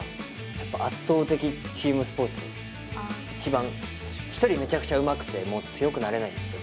やっぱ圧倒的チームスポーツ一番一人めちゃくちゃうまくても強くなれないんですよ